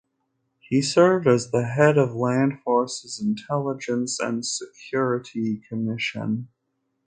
He served as the head of land forces intelligence and security commission.